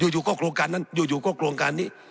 อยู่ก็โครงการนั้นอยู่ก็โครงการนี้